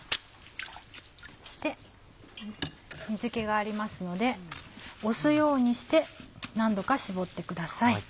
そして水気がありますので押すようにして何度か絞ってください。